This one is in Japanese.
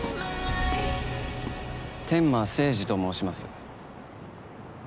天間聖司と申します。